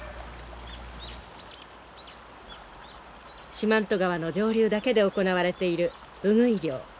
四万十川の上流だけで行われているウグイ漁。